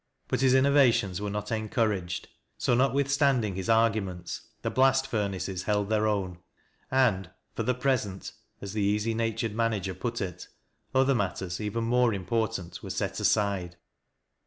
But his innovations wei e not encouraged. So, notwithstanding his argu ments, the blast furnaces held their own, and "for the present," as the easy natured manager put it, other matters, even more important, were set aside.